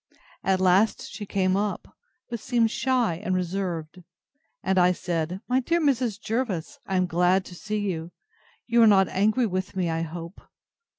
At last she came up, but seemed shy and reserved; and I said, My dear Mrs. Jervis, I am glad to see you: you are not angry with me, I hope.